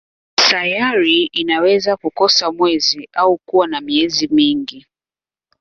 Sayari inaweza kukosa mwezi au kuwa na miezi mingi.